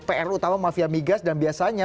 pr utama mafia migas dan biasanya